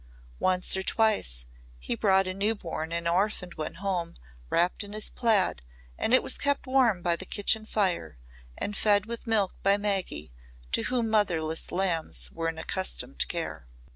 Once or twice he brought a newborn and orphaned one home wrapped in his plaid and it was kept warm by the kitchen fire and fed with milk by Maggy to whom motherless lambs were an accustomed care.